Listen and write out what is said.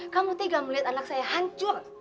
kamu tega melihat anak saya hancur